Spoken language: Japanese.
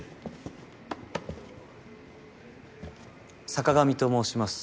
坂上と申します。